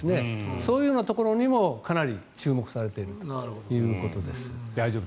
そういうところにもかなり注目されているということです。